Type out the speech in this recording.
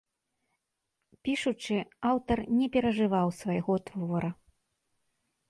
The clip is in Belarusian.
Пішучы, аўтар не перажываў свайго твора.